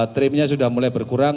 trimnya sudah mulai berkurang